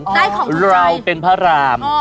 ได้ของถูกใจเราเป็นพระราม